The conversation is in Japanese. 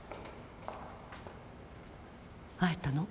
会えたの？